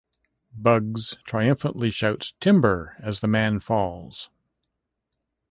Bugs triumphantly shouts "timber" as the man falls.